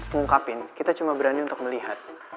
mengungkapin kita cuma berani untuk melihat